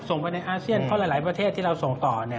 ส่งไปในอาเซียนเพราะหลายประเทศที่เราส่งต่อ